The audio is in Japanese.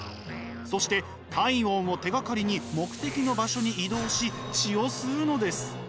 そして体温を手がかりに目的の場所に移動し血を吸うのです。